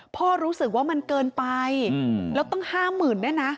พ่อรู้สึกว่ามันเกินไปแล้วตั้ง๕๐๐๐๐บาทน่ะนะ